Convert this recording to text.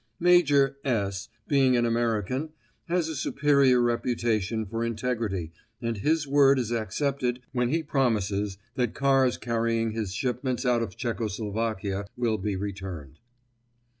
Major S., being an American, has a superior reputation for integrity and His word is accepted when he promises that cars carrying his shipments out of Czechoslovakia will be returned.